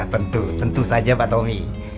tentu tentu saja pak tommy